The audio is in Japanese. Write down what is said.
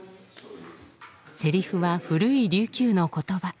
セリフは古い琉球の言葉。